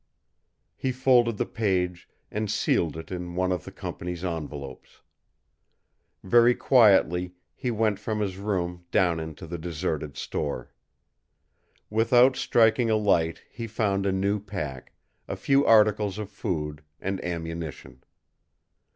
He folded the page and sealed it in one of the company's envelopes. Very quietly he went from his room down into the deserted store. Without striking a light he found a new pack, a few articles of food, and ammunition.